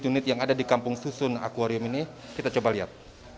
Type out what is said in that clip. unit yang ada di kampung susun akuarium ini kita coba lihat